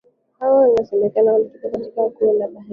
hawa inasemekana wanatokea katika koo za Bahitira